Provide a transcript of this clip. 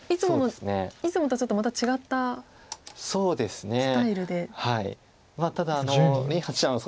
いつもとちょっとまた違ったスタイルで。